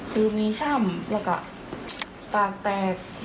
คือมีช่ำแล้วก็ปากแตก